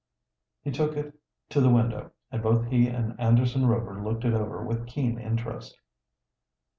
He took it to the window, and both he and Anderson Rover looked it over with keen interest.